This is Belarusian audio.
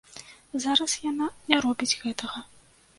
Зараз яна не робіць гэтага.